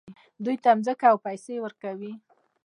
دوی ته ځمکه او پیسې ورکوي.